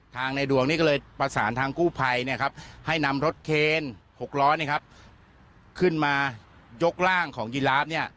ในดวงนี้ก็เลยประสานทางกู้ภัยให้นำรถเคน๖ล้อขึ้นมายกร่างของยีลาฟ